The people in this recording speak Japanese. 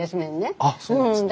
あっそうなんですね。